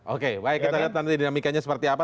oke baik kita lihat nanti dinamikanya seperti apa